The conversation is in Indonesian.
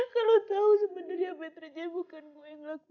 kalo tau sebenernya better jaya bukan gue yang ngaku